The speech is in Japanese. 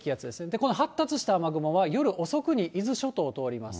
この発達した雨雲は、夜遅くに伊豆諸島を通ります。